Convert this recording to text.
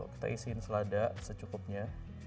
kita isiin selada secukupnya